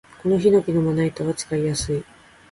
このヒノキのまな板は使いやすい